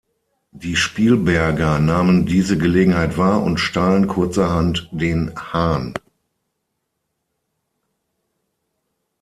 Die Spielberger nahmen diese Gelegenheit wahr und stahlen kurzerhand den Hahn.